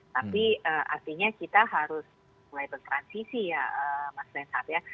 tapi artinya kita harus mulai bertransisi ya mas renhard ya